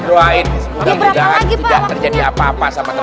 doain kemudian tidak terjadi apa apa sama temen semua